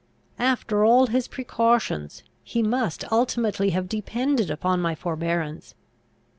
After all his precautions, he must ultimately have depended upon my forbearance.